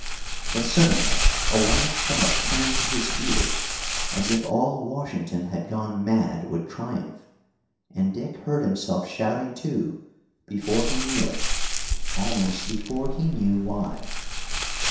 Then suddenly a wild shout came to his ears, as if all Washington had gone mad with triumph. And Dick heard himself shouting too, before he knew it, almost before he knew why.